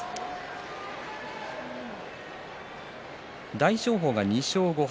大翔鵬が２勝５敗